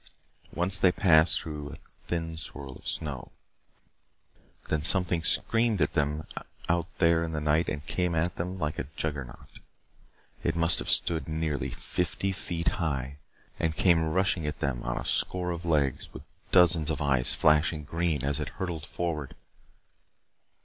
Once they passed through a thin swirl of snow. Then something screamed at them out there in the night and came at them like a juggernaut. It must have stood nearly fifty feet high, and came rushing at them on a score of legs, with dozens of eyes flashing green as it hurtled forward.